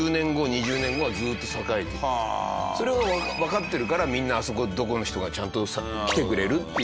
それをわかってるからみんなあそこのとこの人がちゃんと来てくれるっていう。